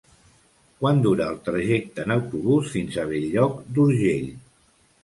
Quant dura el trajecte en autobús fins a Bell-lloc d'Urgell?